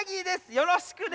よろしくね。